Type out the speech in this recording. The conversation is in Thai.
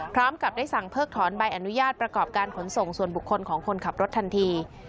พร้อมกับได้สั่งเพิกถอนใบอนุญาตประกอบการขนส่งส่วนบุคคลของคนขับรถทันที